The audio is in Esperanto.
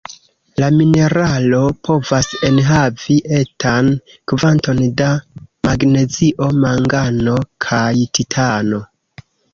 La mineralo povas enhavi etan kvanton da magnezio, mangano kaj titano.